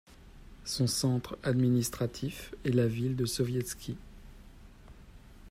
Son centre administratif est la ville de Sovietsky.